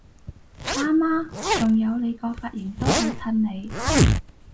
啱吖！仲有你個髮型都好襯你！